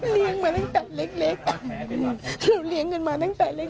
เลี้ยงมาตั้งแต่เล็กคือเลี้ยงกันมาตั้งแต่เล็ก